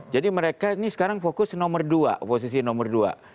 jadi mereka ini sekarang fokus nomor dua oposisi nomor dua